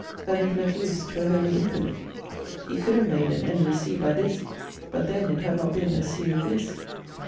Than if let loose, 'twere wholly infinite. He could have made an endless sea by this, But then it had not been a sea of bliss.